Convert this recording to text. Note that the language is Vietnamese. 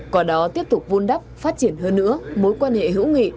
quả đó tiếp tục vun đắp phát triển hơn nữa mối quan hệ hữu nghị